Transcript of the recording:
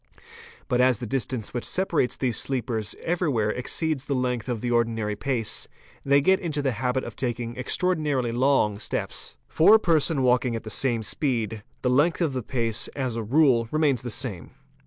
But as the distance which separates these sleepers everywhere xceeds the length of the ordinary pace, they get into the habit of taking xtraordinarily long steps. _ For a person walking at the same speed,®" the length of pace, as @ rule, remains the same.